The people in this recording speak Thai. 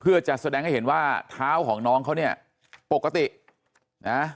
เพื่อจะแสดงให้เห็นว่าเท้าของน้องเขาเนี่ยปกตินะ